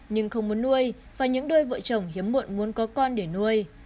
nhưng không muốn nuôi và những đôi vợ chồng hiếm muộn muốn có con để nuôi